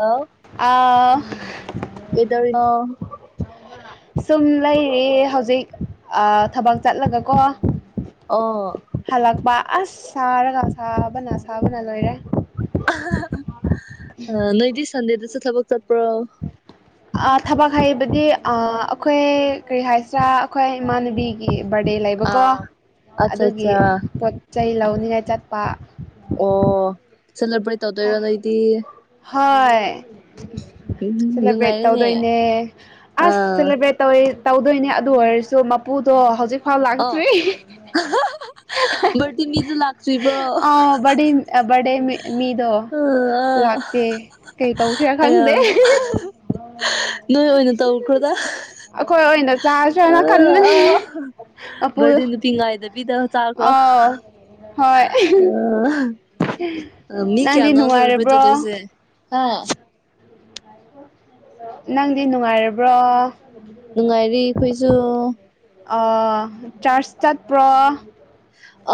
hello ꯑ ꯀꯩꯗꯧꯔꯤꯅꯣ ꯁꯨꯝ ꯂꯩꯔꯤ ꯍꯧꯖꯤꯛ ꯊꯕꯛ ꯆꯠꯂꯒ ꯀꯣ ꯑꯣ ꯍꯜꯂꯛꯄ ꯑꯁ ꯁꯥꯔꯒ ꯁꯥꯕꯅ ꯁꯥꯕꯅ ꯂꯣꯏꯔꯦ ꯑ ꯅꯣꯏꯗꯤ ꯁꯟꯗꯦꯗꯁꯨ ꯊꯕꯛ ꯆꯠꯄ꯭ꯔꯣ ꯊꯕꯛ ꯍꯥꯏꯕꯗꯤ ꯑꯩꯈꯣꯏ ꯀꯔꯤ ꯍꯥꯏꯁꯤꯔꯥ ꯑꯩꯈꯣꯏ ꯏꯃꯥꯟꯅꯕꯤꯒꯤ ꯕꯔꯗꯦ ꯂꯩꯕꯀꯣ ꯑꯥ ꯑꯠꯆꯥ ꯑꯗꯨꯒꯤ ꯑꯠꯆꯥ ꯄꯣꯠ ꯆꯩ ꯂꯧꯅꯤꯉꯥꯏ ꯆꯠꯄ ꯑꯣ ꯁꯦꯂꯦꯕ꯭ꯔꯦꯠ ꯇꯧꯗꯣꯏꯔꯣ ꯅꯣꯏꯗꯤ ꯍꯣꯏ ꯎꯝ ꯁꯦꯂꯦꯕ꯭ꯔꯦꯠ ꯅꯨꯡꯉꯥꯏꯔꯦꯅꯦ ꯇꯧꯗꯣꯏꯅꯦ ꯑꯁ ꯑꯥ ꯁꯦꯂꯦꯕ꯭ꯔꯦꯠ ꯇꯧꯋꯤ ꯇꯧꯗꯣꯏꯅꯦ ꯑꯗꯨ ꯑꯣꯏꯔꯁꯨ ꯃꯄꯨꯗꯣ ꯍꯧꯖꯤꯛꯐꯥꯎ ꯑꯣ ꯂꯥꯛꯇ꯭ꯔꯤ ꯕꯥꯔꯗꯦ ꯃꯤꯗꯨ ꯂꯥꯛꯇ꯭ꯔꯤꯕ꯭ꯔꯣ ꯑ ꯕꯔꯗꯦ ꯃꯤꯗꯣ ꯑꯥ ꯂꯥꯛꯇꯦ ꯀꯩ ꯇꯧꯁꯤꯔꯥ ꯑꯌꯥ ꯈꯪꯗꯦ ꯅꯣꯏ ꯑꯣꯏꯅ ꯇꯧꯈ꯭ꯔꯣꯗ ꯑꯣꯏꯅ ꯆꯥꯁꯤ꯭ꯔꯅ ꯈꯟꯕꯅꯦ ꯃꯄꯨ ꯕꯔꯗꯦ ꯅꯨꯄꯥ ꯉꯥꯡꯗꯕꯤ ꯆꯥꯈ꯭ꯔꯣ ꯑꯥꯎ ꯍꯣꯏ ꯑ ꯃꯤ ꯅꯪꯗꯤ ꯀꯌꯥꯅꯣ ꯁꯦꯂꯦꯕꯔꯤ ꯅꯨꯡꯉꯥꯏꯔꯕ꯭ꯔꯣ ꯇꯗꯨꯏꯁꯦ ꯑ ꯅꯪꯗꯤ ꯅꯨꯡꯉꯥꯏꯔꯕ꯭ꯔꯣ ꯅꯨꯡꯉꯥꯏꯔꯤ ꯑꯩꯈꯣꯏꯁꯨ ꯑ ꯆꯔꯁ ꯇꯠ ꯄ꯭ꯔꯣ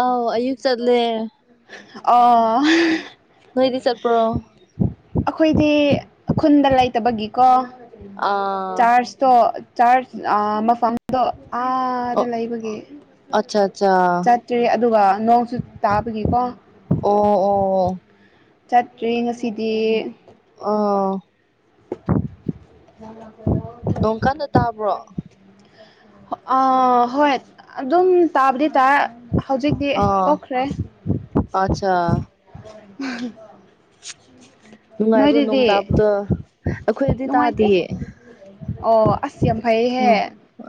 ꯑ ꯑꯌꯨꯛ ꯆꯠꯂꯦ ꯑ ꯅꯣꯏꯗꯤ ꯆꯠꯄ꯭ꯔꯣ ꯑꯩꯈꯣꯏꯗꯤ ꯈꯨꯟꯗ ꯂꯩꯇꯕꯒꯤꯀꯣ ꯑꯥ ꯆꯥꯔꯖꯇꯣ ꯆꯥ ꯑꯗ ꯑꯥꯗ ꯑꯣ ꯂꯩꯕꯒꯤ ꯑꯠꯆꯥ ꯑꯠꯆꯥ ꯆꯠꯇ꯭ꯔꯤ ꯑꯗꯨꯒ ꯅꯣꯡꯁꯨ ꯇꯥꯕꯒꯤ ꯄ ꯑꯣ ꯑꯣ ꯆꯠꯇ꯭ꯔꯤ ꯉꯁꯤꯕ ꯑꯥ ꯑ ꯅꯣꯡꯀꯥꯟꯗ ꯇꯥꯕ꯭ꯔꯣ ꯑ ꯍꯣꯏ ꯑꯗꯨꯝ ꯇꯥꯕꯨꯗꯤ ꯇꯥ ꯍꯧꯖꯤꯛꯇꯤ ꯑꯥ ꯄꯣꯛꯈ꯭ꯔꯦ ꯑꯠꯆꯥ ꯅꯨꯡꯉꯥꯏꯕ꯭ꯔꯣ ꯅꯣꯡ ꯇꯥꯕꯗꯣ ꯑꯩꯈꯣꯏꯗꯤ ꯅꯨꯡꯉꯥꯏꯇꯦ ꯇꯥꯗꯌꯦ ꯑꯣ ꯑꯁꯤꯁꯤ ꯌꯥꯝꯐꯩꯍꯦ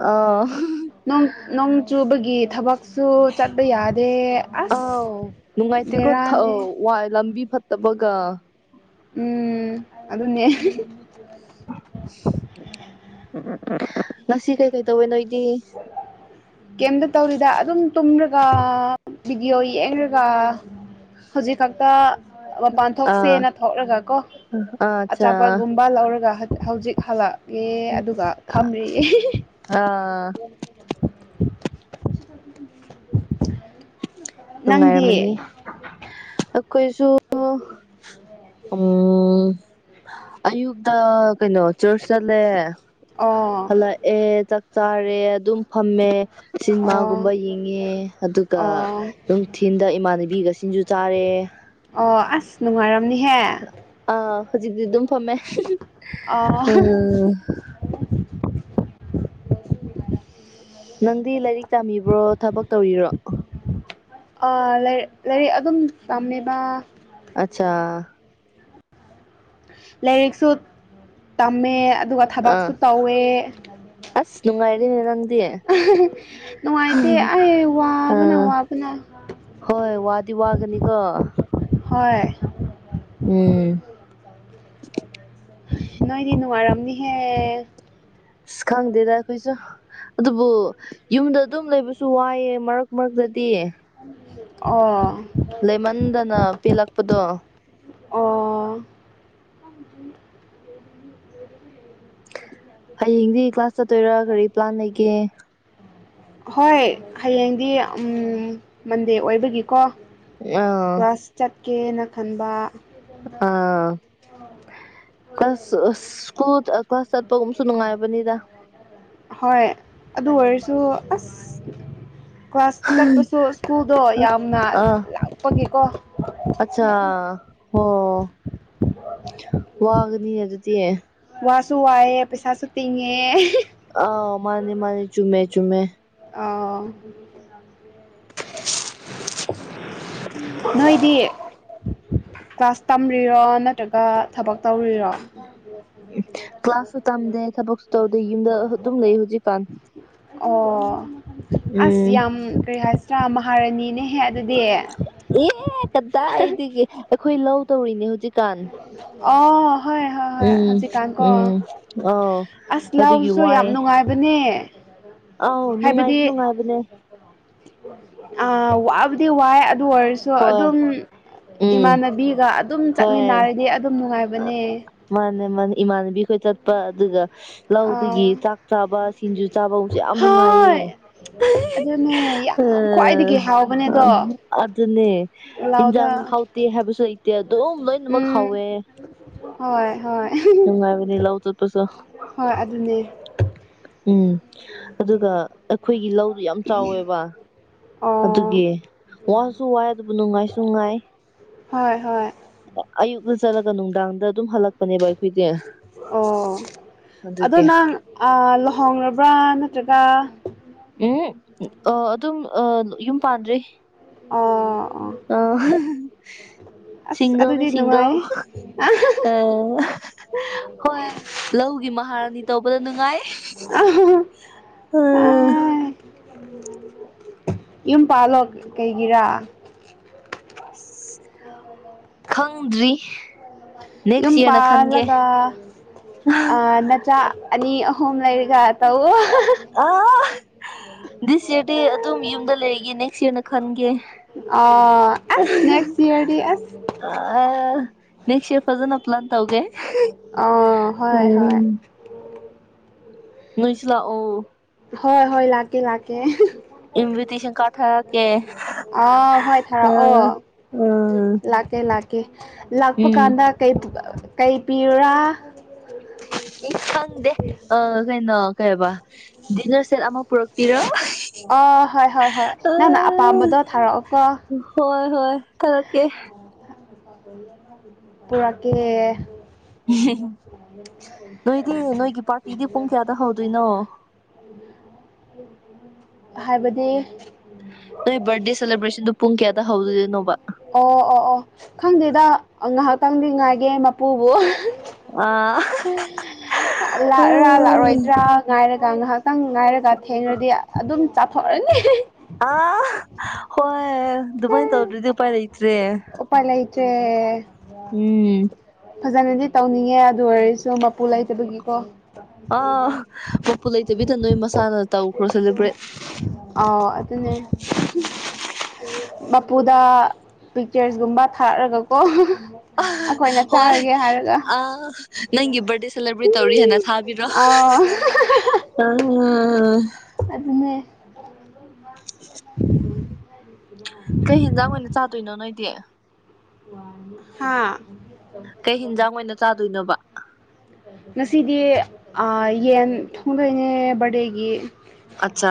ꯑꯥ ꯅꯣꯡ ꯆꯨꯕꯒꯤ ꯊꯕꯛ ꯀ ꯁꯁꯨ ꯆꯠꯄ ꯌꯥꯗꯦ ꯑꯁ ꯑꯥꯎ ꯕꯦꯔꯥꯅꯦ ꯇꯃꯒ ꯎꯝ ꯑꯗꯨ ꯑꯗꯨꯟꯅ ꯉꯁꯤ ꯀꯩꯀꯩ ꯇꯧꯋꯦ ꯅꯣꯏ ꯀꯩꯝꯇ ꯇꯧꯔꯤꯗ ꯑꯗꯨꯝ ꯇꯨꯝ [inaudible] ꯚꯤꯗꯤꯑꯣ ꯌꯦꯛꯔꯒ ꯍꯧꯖꯤꯛ ꯈꯛꯇ ꯃꯄꯥꯟ ꯑꯥ ꯊꯣꯛꯁꯦꯅ ꯊꯣꯛꯂꯒ ꯀꯣ ꯑꯥ ꯑꯠꯆꯥ ꯑꯆꯥꯄꯣꯠꯒꯨꯝꯕ ꯂꯧꯔꯒ ꯍꯧꯖꯤꯛ ꯍꯜꯂꯛꯒꯦ ꯑꯗꯨꯒ ꯐꯝꯔꯤꯌꯦ ꯑꯥ [unintelligible] ꯅꯪꯗꯤ ꯀꯣꯏꯁꯨ ꯎꯝ ꯑꯌꯨꯛꯇ ꯀꯩꯅꯣ ꯆꯔꯆ ꯆꯠꯂꯦ ꯑꯣ ꯍꯜꯂꯛꯑꯦ ꯆꯥꯛ ꯆꯥꯔꯦ ꯑꯗꯨꯝ ꯐꯝꯃꯦ ꯁꯤꯟꯃꯥꯒꯨꯝꯕ ꯑꯣ ꯌꯦꯡꯉꯦ ꯑꯗꯨꯒ ꯑꯣ ꯅꯨꯡꯊꯤꯟꯗ ꯏꯃꯥꯟꯅꯕꯤꯒ ꯁꯤꯡꯖꯨ ꯆꯥꯔꯦ ꯑꯣ ꯑꯁ ꯅꯅꯨꯡꯉꯥꯏꯔꯝꯅꯤꯍꯦ ꯑ ꯍꯧꯖꯤꯛꯇꯤ ꯑꯗꯨꯝ ꯐꯝꯃꯦ ꯑꯣ ꯎꯝ ꯅꯪꯗꯤ ꯂꯥꯏꯔꯤꯛ ꯇꯥꯕꯤꯕ꯭ꯔꯣ ꯊꯕꯛ ꯇꯧꯔꯤꯔꯣ ꯑꯥꯏ ꯂꯥꯏꯔꯤꯛ ꯑꯗꯨꯝ ꯇꯝꯃꯦꯕ ꯑꯆꯥ ꯂꯥꯏꯔꯤꯛꯁꯨ ꯇꯝꯃꯦ ꯑꯗꯨꯒ ꯑꯥ ꯊꯕꯛꯁꯨ ꯇꯧꯋꯦ ꯔ ꯅꯨꯡꯉꯥꯏꯇꯦ ꯑꯩ ꯋꯥꯕꯅ ꯑꯥ ꯋꯥꯕꯅ ꯍꯣꯏ ꯋꯥꯗꯤ ꯋꯥꯒꯅꯤꯀꯣ ꯍꯣꯏ ꯎꯝ ꯅ ꯏꯗꯤ ꯅꯉꯝꯅꯤꯍꯦ ꯁꯈꯥꯡꯗꯗ ꯀꯁꯨ ꯑꯗꯨꯕꯨ ꯌꯨꯝꯗ ꯑꯗꯨꯝ ꯂꯩꯕꯁꯨ ꯋꯥꯏꯑꯦ ꯃꯔꯛ ꯃꯔꯛꯇꯗꯤ ꯑꯣ ꯂꯩꯃꯟꯗꯅ ꯄꯦꯜꯂꯛꯄꯗꯣ ꯑꯣ ꯍꯌꯦꯡꯗꯤ ꯀ꯭ꯂꯥꯁ ꯆꯠꯇꯣꯏꯔꯥ ꯀꯔꯤ ꯄ꯭ꯂꯥꯟ ꯂꯩꯒꯦ ꯍꯣꯏ ꯍꯌꯦꯡꯗꯤ ꯃꯟꯗꯦ ꯑꯣꯏꯕꯒꯤꯀꯣ ꯑ ꯀꯦꯅ ꯈꯟꯕ ꯑꯥ ꯀ꯭ꯂꯥꯁ ꯁ꯭ꯀꯨꯜ ꯀ꯭ꯂꯥꯁ ꯆꯠꯄꯒꯨꯝꯕꯁꯨ ꯅꯨꯡꯉꯥꯏꯕꯅꯤꯗ ꯍꯣꯏ ꯑꯗꯨ ꯑꯣꯏꯔꯁꯨ ꯑꯁ ꯀ꯭ꯂꯥꯁ ꯆꯠꯄꯁꯨ ꯁ꯭ꯀꯨꯜꯗꯣ ꯌꯥꯝꯅ ꯂꯥꯛꯄꯒꯤꯀꯣ ꯑꯆꯥꯥ ꯍ ꯋꯥꯒꯅꯤ ꯍꯥꯏ ꯑꯗꯨꯗꯤꯤ ꯋꯥꯁꯨ ꯋꯥꯏꯑꯦ ꯄꯩꯁꯥꯁꯨ ꯇꯤꯡꯉꯦ ꯑ ꯃꯥꯅꯤ ꯃꯥꯅꯤ ꯆꯨꯝꯃꯦ ꯆꯨꯝꯃꯦ ꯑꯥ [unintelligible] ꯅꯣꯏꯗꯤ ꯀ꯭ꯂꯥꯁ ꯇꯝꯔꯤꯔꯣ ꯅꯠꯇ꯭ꯔꯒ ꯊꯕꯛ ꯇꯧꯔꯤꯔꯣ ꯀ꯭ꯂꯥꯁꯥꯁ ꯇꯝꯗꯦ ꯊꯕꯛꯁꯨ ꯇꯧꯗꯦ ꯌꯨꯝꯗ ꯑꯗꯨꯝ ꯂꯩ ꯍꯧꯖꯤꯛꯀꯥꯟ ꯑꯣ ꯑꯁ ꯎꯝ ꯌꯥꯝ ꯀꯔꯤ ꯍꯥꯏꯁꯤ꯭ꯔꯥ ꯃꯍꯥꯔꯥꯅꯤꯅꯦꯍꯦ ꯑꯗꯨꯗꯤ ꯑꯦ ꯀꯗꯥꯏꯗꯤꯒꯦ ꯑꯩꯈꯣꯏ ꯂꯧ ꯇꯧꯔꯤꯅꯦ ꯍꯧꯖꯤꯛ ꯑ ꯍ ꯍ ꯍ ꯎꯝ ꯍꯧꯖꯤ ꯀ ꯀ ꯎꯝ ꯑꯧ ꯑꯁ ꯂꯥꯎꯁꯨ ꯌꯥꯝ ꯅꯨꯡꯉꯥꯏꯕꯅꯦ ꯑꯥꯎ ꯅꯨꯡꯉꯥꯏꯗꯤ ꯅꯨꯡꯉꯥꯏꯕꯅꯦ ꯑꯗꯤ ꯋꯥ ꯑꯗꯨ ꯑꯣꯏꯔꯁꯨ ꯍꯣꯏ ꯑꯗꯨꯝ ꯎꯝ ꯏꯃꯥꯟꯅꯕꯤꯒ ꯑꯗꯨꯝ ꯍꯣꯏ ꯆꯠꯃꯤꯟꯅꯔꯗꯤ ꯑꯗꯨꯝ ꯅꯨꯡꯉꯥꯏꯕ ꯑꯗꯨꯕꯅꯦ ꯏꯃꯥꯟꯅꯕꯤꯈꯣꯏ ꯆꯠꯄ ꯑꯗꯨꯒ ꯂꯧꯗꯒꯤ ꯑꯥ ꯆꯥꯛ ꯆꯥꯕ ꯁꯤꯡꯖꯨ ꯆꯥꯕ ꯍꯧꯁꯨ ꯌꯥꯝ ꯅꯨꯡꯉꯥꯏꯌꯦ ꯎ ꯑꯗꯨꯅꯦ ꯌꯥꯝ ꯈ꯭ꯋꯥꯏꯗꯒꯤ ꯑ ꯍꯥꯎꯕꯅꯦꯗꯣ ꯑꯗꯨꯅꯦ ꯑꯂꯥꯎꯗ ꯏꯟꯖꯥꯡ ꯍꯥꯎꯇꯦ ꯍꯥꯏꯕꯁꯨ ꯏꯇꯦ ꯑ ꯑꯗꯨꯝ ꯂꯣꯏꯅꯃꯛ ꯈꯥꯎꯋꯦ ꯍꯣꯏ ꯍꯣꯏ ꯌꯥ ꯇꯁ ꯍꯣꯏ ꯑꯗꯨꯅꯦ ꯎꯝ ꯑꯗꯨꯒ ꯑꯩꯈꯣꯏꯒꯤ ꯂꯧꯗꯨ ꯌꯥꯝ ꯆꯥꯎꯋꯦꯕ ꯑꯣ ꯑꯗꯨꯒꯤ ꯋꯥꯁꯨ ꯋꯥꯏ ꯑꯗꯨꯕꯨ ꯅꯨꯡꯉꯥꯏꯁꯨꯉꯥꯏ ꯍꯣꯏ ꯍꯣꯏ ꯑꯌꯨꯛꯅ ꯆꯠꯂꯒ ꯅꯨꯡꯗꯥꯡꯗ ꯑꯗꯨꯝ ꯍꯜꯂꯛꯄꯅꯦꯕ ꯑꯩꯈꯣꯏꯁꯦ ꯑꯣ ꯑꯗꯣ ꯅꯪ ꯂꯨꯍꯣꯡꯔꯕ꯭ꯔꯥ ꯅꯠꯇ꯭ꯔꯒ ꯎꯝ ꯑ ꯑꯗꯨꯝ ꯌꯨꯝ ꯄꯥꯟꯗ꯭ꯔꯦ ꯑꯥ ꯑ ꯑꯁ ꯁꯤꯁꯤꯡꯒꯗ ꯑꯗꯨꯗꯤ ꯁꯤꯁꯤꯡꯒ ꯅꯨꯡꯉꯥꯏ ꯎꯝ ꯍꯣꯏ ꯂꯧꯒꯤ ꯃꯍꯥꯔꯥꯅꯤ ꯇꯧꯕꯗ ꯅꯨꯡꯉꯥꯏ ꯎꯝ ꯑꯥꯏ ꯌꯨꯝ ꯄꯥꯂꯣꯛ ꯀꯩꯒꯤꯔꯥ ꯈꯪꯗ꯭ꯔꯤ ꯌꯨꯝ ꯅꯦꯛꯁ ꯌꯔꯅ ꯈꯟꯒꯦ ꯄꯥꯜꯂꯒ ꯅꯆꯥ ꯑꯅꯤ ꯑꯍꯨꯝ ꯂꯩꯔꯤ ꯌꯥ ꯇꯕꯨ ꯗꯤꯁ ꯌꯔꯗꯤ ꯑꯗꯨꯝ ꯌꯨꯝꯗ ꯂꯩꯔꯤꯒꯦ ꯅꯦꯛꯁ ꯌꯔꯅ ꯈꯟꯒꯦ ꯑ ꯑꯁ ꯅꯦꯛꯁ ꯏꯌꯔꯗꯤ ꯑꯁ ꯑ ꯅꯁꯦ ꯐꯖꯅ ꯂ ꯇ ꯍꯧꯧꯒꯦ ꯑ ꯍꯣꯏ ꯍꯣꯏ ꯎꯝ ꯣꯏꯁꯤꯂ ꯑꯣ ꯍꯣꯏ ꯍꯣꯏ ꯂꯥꯛꯀꯦ ꯂꯥꯛꯀꯦ ꯏꯟꯚꯦꯇꯤꯁꯟ ꯀ꯭ꯔꯥꯠ ꯊꯥꯔꯛꯀꯦ ꯑꯥ ꯍꯣꯏ ꯊꯥꯔꯛꯑꯣ ꯎꯝ ꯂꯥꯛꯀꯦ ꯂꯥꯛꯀꯦ ꯀꯦ ꯂꯥꯛꯄ ꯎꯝ ꯀꯥꯟꯗ ꯀꯩ ꯄꯤꯌꯨꯔꯥ ꯑꯩ ꯈꯪꯗꯦ ꯑ ꯀꯩꯅꯣ ꯀꯩꯕꯥ ꯗꯤꯅꯔ ꯁꯦꯠ ꯑꯃ ꯄꯨꯔꯛꯄꯤꯔꯣ ꯑ ꯍꯣꯏ ꯍꯣꯏ ꯍꯣꯏ ꯅꯪꯅ ꯑꯄꯥꯝꯕꯗꯣ ꯊꯥꯔꯛꯑꯣꯀꯣ ꯍꯣꯏ ꯍꯣꯏ ꯊꯔꯛꯀꯦ ꯄꯨꯔꯛꯀꯦ [unintelligible] ꯅꯣꯏꯗꯤ ꯅꯣꯏꯒꯤ ꯄꯥꯔꯇꯤꯗꯤ ꯄꯨꯡ ꯀꯌꯥꯗ ꯍꯧꯗꯣꯏꯅꯣ [inaudible] ꯍꯥꯏꯕꯗꯤ ꯅꯣꯏ ꯕꯥꯔꯗꯦ ꯁꯦꯂꯦꯕ꯭ꯔꯦꯁꯟꯗꯨ ꯄꯨꯡ ꯀꯌꯥꯗ ꯍꯧꯗꯣꯏꯅꯣꯕ ꯁꯤꯗ ꯉꯥꯏꯍꯥꯛꯇꯪꯗꯤ ꯉꯥꯏꯒꯦ ꯃꯄꯨꯕꯨ ꯑꯥ ꯂꯥꯛꯔꯔꯥ ꯂꯥꯛꯑꯣꯏꯗ꯭ꯔꯥ ꯉꯥꯏꯔꯒ ꯉꯥꯢꯍꯥꯛ ꯈꯤꯇꯪ ꯉꯥꯏꯔꯒ ꯊꯦꯡꯉꯗꯤ ꯑꯗꯨꯝ ꯆꯥꯊꯣꯛꯔꯅꯤ ꯑꯥ ꯍꯣꯏ ꯑꯗꯨꯃꯥꯏꯅ ꯇꯧꯗ꯭ꯔꯗꯤ ꯎꯄꯥꯏ ꯂꯩꯇ꯭ꯔꯦ ꯆꯦ ꯎꯝ ꯐꯖꯅꯗꯤ ꯇꯧꯅꯤꯡꯉꯦ ꯑꯗꯨ ꯑꯣꯏꯔꯁꯨ ꯂꯩꯇꯕꯒꯤꯀꯣ ꯑꯥ ꯃꯄꯨꯨ ꯂꯩꯇꯕꯤꯗ ꯅꯣꯏ ꯃꯁꯥꯅ ꯇꯧꯈ꯭ꯔꯣ ꯁꯦꯂꯦꯕ꯭ꯔꯦꯠ ꯑ ꯑꯗꯨꯅꯦ ꯃꯄꯨꯗ ꯄꯤꯛꯆꯔꯁꯒꯨꯝꯕ ꯊꯥꯔꯒꯀꯣ ꯑꯩꯈꯣꯏꯅ ꯍꯣꯏ ꯆꯥꯔꯒꯦ ꯍꯥꯏꯔꯒ ꯑ ꯅꯪꯒꯤ ꯕꯥ꯭ꯔꯠꯗꯦ ꯁꯦꯂꯦꯕ꯭ꯔꯦꯠ ꯇꯧꯔꯤ ꯍꯥꯏꯅ ꯊꯥꯕꯤꯔꯣ ꯑꯥ ꯑꯥ [unintelligible] ꯀꯩ ꯌꯦꯟꯖꯥꯡ ꯑꯣꯏꯅ ꯆꯥꯗꯣꯏꯅꯣ ꯅꯣꯏꯗꯤ ꯍꯥꯥ ꯀꯩ ꯍꯟꯖꯥꯡ ꯑꯣꯏꯅ ꯆꯥꯗꯣꯏꯅꯣꯕ ꯉꯁꯤꯗꯤ ꯌꯦꯟ ꯊꯣꯡꯗꯣꯏꯅꯦ ꯕꯥ꯭ꯔꯠꯗꯦꯒꯤ ꯑꯠꯆꯥ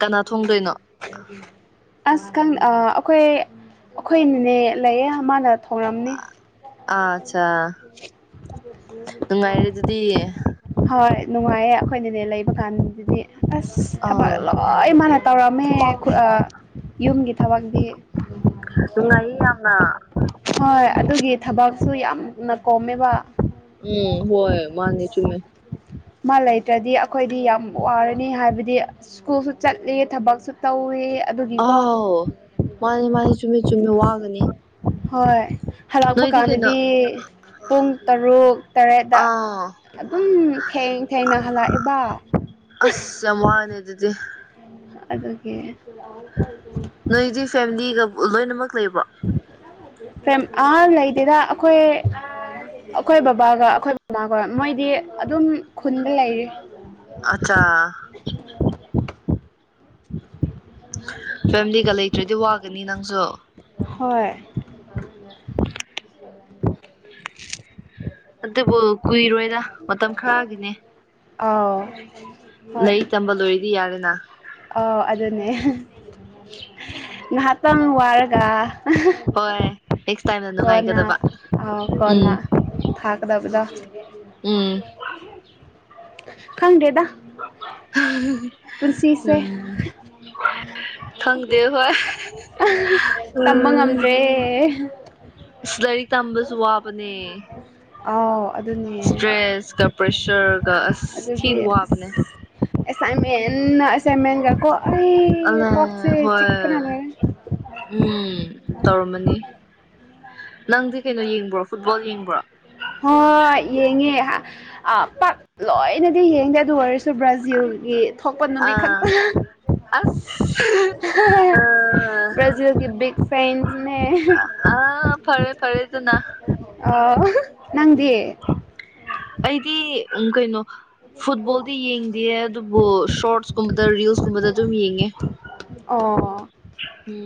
ꯀꯅꯥ ꯊꯣꯡꯗꯣꯏꯅꯣ ꯑꯁ ꯑꯩꯈꯣꯏ ꯑꯩꯈꯣꯏꯅꯅꯦ ꯂꯩꯌꯦ ꯃꯥꯅ ꯊꯣꯡꯔꯝꯅꯤ ꯑ ꯆꯥ ꯅꯨꯡꯉꯥꯏꯔꯦ ꯑꯗꯨꯗꯤ ꯍꯣꯏ ꯅꯨꯡꯉꯥꯏꯌꯦ ꯑꯩꯈꯣꯏꯅꯅꯦ ꯂꯩꯕ ꯀꯥꯟꯗꯗꯤ ꯑꯁ ꯊꯕꯛ ꯑꯥꯎ ꯂꯣꯏ ꯃꯥꯟꯅ ꯇꯧꯔꯝꯃꯦ ꯌꯨꯝꯒꯤ ꯊꯕꯛꯗꯤ ꯅꯨꯡꯉꯥꯢꯌꯦ ꯌꯥꯝꯅ ꯁꯨ ꯌꯥꯝꯅ ꯀꯣꯝꯃꯦꯕ ꯎꯝ ꯍꯣꯏ ꯃꯥꯅꯤ ꯆꯨꯝꯃꯤ ꯃꯥ ꯂꯩꯇ꯭ꯔꯗꯤ ꯑꯩꯈꯣꯏꯗꯤ ꯌꯥꯝ ꯋꯥꯔꯅꯤ ꯍꯥꯏꯕꯗꯤ ꯁ꯭ꯀꯨꯜꯁꯨ ꯆꯠꯂꯤ ꯊꯕꯛꯁꯨ ꯇꯧꯏ ꯑꯥꯎ ꯃꯥꯅꯦ ꯃꯥꯅꯦ ꯆꯨꯝꯃꯤ ꯆꯨꯝꯃꯤ ꯋꯥꯒꯅꯤ ꯍꯣꯏ ꯍꯜꯂꯛꯄ ꯅꯣꯏꯗꯤ ꯀꯩꯅꯣ ꯀꯥꯟꯗꯗꯤ ꯄꯨꯡ ꯇꯔꯨꯛ ꯇꯔꯦꯠꯇ ꯑꯥ ꯑꯗꯨꯝ ꯊꯦꯡ ꯊꯦꯡꯅ ꯍꯜꯂꯛꯑꯦꯕ ꯑꯁ ꯌꯥꯝ ꯋꯥꯅꯦ ꯑꯗꯨꯗꯤ ꯑꯗꯨꯒꯤ ꯅꯣꯏꯗꯤ ꯐꯦꯃꯤꯂꯤꯒ [unintelligible] ꯑ ꯂꯩꯇꯦꯗ ꯑꯩꯈꯣꯏ ꯑꯩꯈꯣꯏ ꯕꯥꯕꯥꯒ ꯑꯩꯈꯣꯏ ꯕꯥꯕꯥꯒ ꯃꯣꯏꯗꯤ ꯑꯗꯨꯝ ꯈꯨꯟꯗ ꯂꯩꯔꯤ ꯑꯆꯥ [unintelligible] ꯐꯦꯃꯤꯂꯤꯒ ꯂꯩꯇ꯭ꯔꯗꯤ ꯋꯥꯒꯅꯤ ꯅꯪꯁꯨ ꯍꯣꯏ ꯑꯗꯨꯕꯨ ꯀꯨꯏꯔꯣꯏꯗ ꯃꯇꯝ ꯈꯔꯒꯤꯅꯦ ꯑꯥꯎ ꯍꯣꯏ ꯂꯥꯏꯔꯤꯛ ꯇꯝꯕ ꯂꯣꯏꯔꯗꯤ ꯌꯥꯔꯦꯅ ꯑꯥꯎ ꯑꯗꯨꯅꯦ ꯉꯥꯏꯍꯥꯛꯇꯪ ꯋꯥꯔꯒ ꯍꯣꯏ ꯇꯥꯏꯝꯗ ꯀꯣꯟꯅ ꯅꯨꯡꯉꯥꯏꯒꯗꯕ ꯑꯥꯎ ꯀꯣꯟꯅ ꯎꯝ ꯊꯥꯒꯗꯕꯗꯣ ꯎꯝ ꯈꯪꯗꯦꯗ ꯄꯨꯟꯁꯤꯁꯦ ꯎꯝ ꯐꯪꯗ ꯍꯣꯏ ꯇꯝꯕ ꯉꯝꯗ꯭ꯔꯦ ꯁ ꯂꯔꯤ ꯇꯝꯕꯁꯨ ꯋꯥꯕꯅꯦ ꯑꯥ ꯏꯁꯇ꯭ꯔꯦꯁꯀ ꯄ꯭ꯔꯦꯁꯔꯒ ꯑꯁ ꯊꯤꯅ ꯋꯥꯕꯅꯦ ꯑꯦꯁꯥꯏꯟꯃꯦꯟ ꯑꯦꯁꯥꯏꯟꯃꯦꯟꯒꯀꯣ ꯑꯂꯦ ꯍꯣꯏ ꯂꯣꯏꯔꯦ ꯎꯝ ꯇꯧꯔꯝꯃꯅꯤ ꯅꯪꯗꯤ ꯀꯩꯅꯣ ꯌꯦꯡꯕ꯭ꯔꯣ ꯐꯨꯠꯕꯣꯜ ꯌꯦꯡꯕ꯭ꯔꯣ ꯍ ꯌꯦꯡꯉꯦ ꯄꯥꯛ ꯂꯣꯏꯅꯗꯤ ꯌꯦꯡꯗꯦ ꯑꯗꯨ ꯑꯣꯏꯔꯁꯨ ꯕ꯭ꯔꯥꯖꯤꯜꯒꯤ ꯊꯣꯛꯄ ꯅꯨꯃꯤꯠ ꯑꯥ ꯈꯛꯇ ꯑꯁ ꯑ ꯕ꯭ꯔꯥꯖꯤꯜꯒꯤ ꯕꯤꯛ ꯐ꯭ꯔꯦꯟꯁꯅꯦ ꯑꯥ ꯐꯔꯦ ꯐꯔꯦ ꯑꯗꯨꯅ ꯅꯪꯗꯤꯦ ꯑꯩꯗꯤ ꯎ ꯀꯩꯅꯣ ꯐꯨꯠꯕꯣꯜꯗꯤ ꯌꯦꯡꯗꯌꯦ ꯑꯗꯨꯕꯨ ꯁꯣꯔꯠꯁꯀꯨꯝꯕꯗ ꯔꯤꯜꯁꯀꯨꯝꯕꯗ ꯑꯗꯨꯝ ꯌꯦꯡꯉꯦ ꯑꯣ ꯎ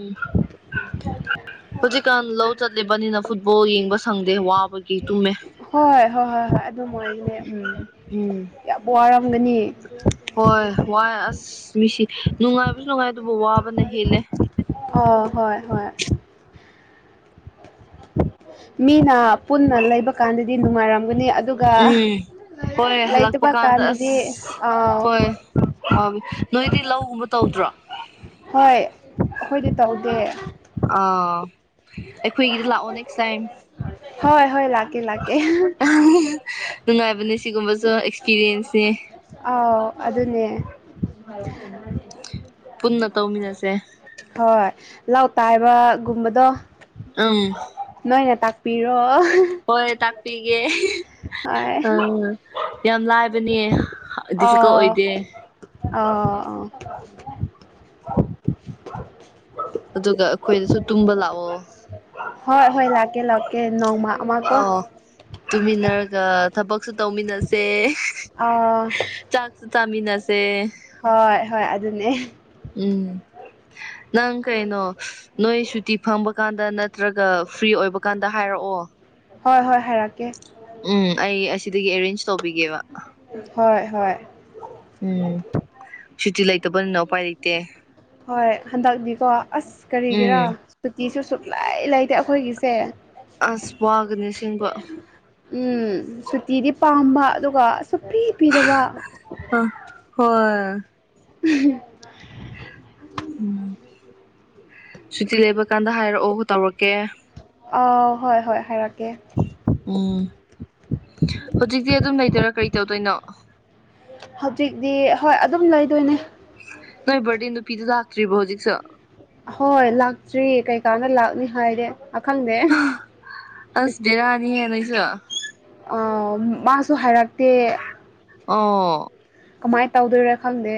ꯍꯧꯖꯤꯛꯀꯥꯟ ꯂꯧ ꯆꯠꯂꯤꯕꯅꯤꯅ ꯐꯨꯠꯕꯣꯜ ꯌꯦꯡꯕ ꯁꯪꯗꯦ ꯋꯥꯕꯒꯤ ꯇꯨꯝꯃꯦ ꯍꯣꯏ ꯍꯣꯏ ꯍꯣꯏ ꯍꯣꯏ ꯑꯗꯨꯝ ꯑꯣꯏꯒꯅꯤ ꯎꯝ ꯎꯝ ꯌꯥꯝ ꯋꯥꯔꯝꯒꯅꯤ ꯍꯣꯏ ꯋꯥꯏ ꯑꯁ ꯃꯤꯁꯤ ꯅꯨꯡꯉꯥꯏꯕꯁꯨ ꯅꯨꯡꯉꯥꯏ ꯑꯗꯨꯕꯨ ꯋꯥꯕꯅ ꯍꯦꯜꯂꯦ ꯍ ꯍꯣꯏ ꯍꯣꯏ ꯃꯤꯅ ꯄꯨꯟꯅ ꯂꯩꯕ ꯀꯥꯟꯗꯗꯤ ꯅꯨꯡꯉꯥꯏꯔꯝꯒꯅꯤ ꯑꯗꯨꯒ ꯎꯝ ꯍꯣꯏ ꯂꯥꯏꯇ ꯍꯜꯂꯛꯄ ꯄ ꯀꯥꯟꯗ ꯀꯥꯟꯗꯗꯤ ꯑꯁ ꯑ ꯍꯣꯏ ꯃꯥ ꯅꯣꯏꯗꯤ ꯂꯧꯒꯨꯝꯕ ꯇꯧꯗ꯭ꯔꯣ ꯍꯣꯏ ꯑꯩꯈꯣꯏꯗꯤ ꯇꯧꯗꯦ ꯑꯥ ꯑꯩꯈꯣꯏꯒꯤꯗꯤ ꯂꯥꯛꯑꯣ ꯅꯦꯛꯁ ꯇꯥꯏꯝ ꯍꯣꯏ ꯍꯣꯏ ꯂꯥꯛꯀꯦ ꯂꯥꯛꯀꯦ ꯅꯨꯡꯉꯥꯏꯕꯅꯦ ꯁꯤꯒꯨꯝꯕꯁꯨ ꯑꯦꯛꯁꯄꯤꯔꯤꯌꯦꯟꯁꯅꯤ ꯑꯥꯎ ꯑꯗꯨꯅꯦ ꯄꯨꯟꯅ ꯇꯧꯃꯤꯟꯅꯁꯦ ꯍꯣꯏ ꯂꯥꯎꯇꯥꯏꯕꯒꯨꯝꯕꯗꯣ ꯎꯝ ꯅꯣꯏꯅꯦ ꯇꯥꯛꯄꯤꯔꯣ ꯍꯣꯏ ꯇꯥꯛꯄꯤꯒꯦ ꯍꯣꯏ ꯑ ꯌꯥꯝ ꯂꯥꯏꯕꯅꯦ ꯗꯤꯐꯤꯀꯜꯠ ꯑꯣꯏꯗꯦ ꯑꯥ ꯑꯥ ꯑꯗꯨꯒ ꯑꯩꯈꯣꯏꯗꯁꯨ ꯇꯨꯝꯕ ꯂꯥꯛꯑꯣ ꯍꯣꯏ ꯍꯣꯏ ꯂꯥꯛꯀꯦ ꯂꯥꯛꯀꯦ ꯅꯣꯡꯃ ꯑꯃ ꯀꯣ ꯑꯣ ꯇꯨꯃꯤꯟꯅꯔꯒ ꯊꯕꯛꯁꯨ ꯇꯧꯃꯤꯟꯅꯁꯦ ꯑ ꯇꯥꯥꯃꯤꯤꯟꯁꯦ ꯍꯣꯏ ꯍꯣꯏ ꯑꯗꯨꯅꯦ ꯎꯝ ꯅꯪ ꯀꯩꯅꯣ ꯅꯣꯏ ꯁꯨꯇꯤ ꯐꯪꯕ ꯀꯥꯟꯗ ꯅꯠꯇ꯭ꯔꯒ ꯐ꯭ꯔꯤ ꯑꯣꯏꯕꯀꯥꯟꯗ ꯍꯥꯏꯔꯛꯑꯣ ꯍꯣꯏ ꯍꯣꯏ ꯍꯦꯔꯀꯦ ꯎꯝ ꯑꯩ ꯑꯁꯤꯗꯒꯤ ꯑꯦꯔꯦꯟꯖ ꯇꯧꯕꯤꯒꯦꯕ ꯍꯣꯏ ꯍꯣꯏ ꯎꯝ ꯁꯨꯇꯤ ꯂ ꯏꯇ ꯄ ꯍꯣꯏ ꯍꯟꯗꯛꯤꯀꯣ ꯑꯁ ꯀꯔꯤꯒꯤꯔꯥ ꯎꯝ ꯖꯤꯁꯨ ꯁꯨꯛꯂꯩ ꯂꯩꯇꯦ ꯑꯩꯈꯣꯏꯒꯤꯁꯦ ꯑꯁ ꯋꯥꯒꯅꯤꯁꯦꯡꯕ ꯎꯝ ꯁꯨꯇꯤꯗꯤ ꯄꯥꯝꯕ ꯑꯗꯨꯒ ꯁꯨꯛꯄꯤ ꯄꯤꯗꯕ ꯑ ꯍꯣꯏ [unintelligible] ꯎꯝ ꯁꯨꯇꯤ ꯂꯩꯕ ꯀꯥꯟꯗ ꯍꯥꯏꯔꯛꯑꯣ ꯇꯧꯔꯛꯀꯦ ꯑꯥꯎ ꯍꯣꯏ ꯍꯣꯏ ꯍꯥꯏꯔꯛꯀꯦ ꯎꯝ ꯍꯧꯖꯤꯛꯇꯤ ꯑꯗꯨꯝ ꯂꯩꯗꯣꯏꯔꯥ ꯀꯔꯤ ꯇꯧꯗꯣꯏꯅꯣ ꯍꯧꯖꯤꯛꯇꯤ ꯍꯣꯏ ꯑꯗꯨꯝ ꯂꯩꯗꯣꯏꯅꯦ ꯅꯣꯏ ꯕꯔꯗꯦ ꯅꯨꯄꯤꯗꯨ ꯂꯥꯛꯇ꯭ꯔꯤꯕꯣ ꯍꯧꯖꯤꯛꯁꯨ ꯍꯣꯏ ꯂꯥꯛꯇ꯭ꯔꯤꯌꯦ ꯀꯩꯀꯥꯅ ꯂꯥꯛꯅꯤ ꯍꯥꯏꯔꯦ ꯈꯪꯗꯦ ꯑꯁ ꯔꯥꯅꯤ ꯍꯦꯅꯁꯨ ꯃꯥꯁꯨ ꯍꯥꯏꯔꯛꯇꯦ ꯑꯣ ꯀꯃꯥꯏꯅ ꯇꯧꯗꯣꯏꯔꯣ ꯈꯪꯗꯦ